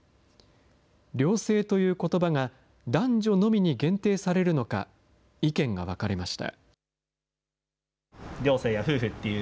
両性ということばが男女のみに限定されるのか、意見が分かれました。